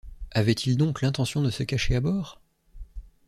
Avaient-ils donc l’intention de se cacher à bord?...